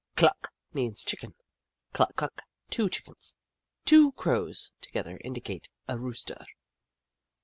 Cluck means Chicken, Cluck Cluck two Chickens. Two Crows together indicate a Rooster.